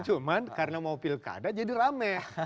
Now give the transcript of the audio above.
cuma karena mau pilkada jadi rame